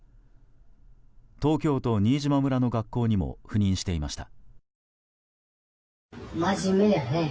東京都新島村の学校にも赴任していました。